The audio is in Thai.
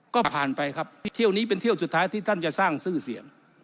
ก็ผ่านไปครับเที่ยวนี้เป็นเที่ยวสุดท้ายที่ท่านจะสร้างชื่อเสียง